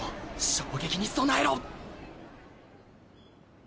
衝撃に備えろ。